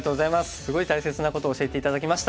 すごい大切なことを教えて頂きました。